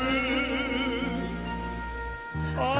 เพื่อให้รู้ว่า